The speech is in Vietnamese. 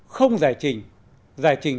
không giải trình